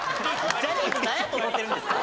ジャニーズなんやと思ってるんですか？